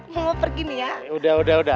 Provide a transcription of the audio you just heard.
mama pergi nih ya udah udah aja ya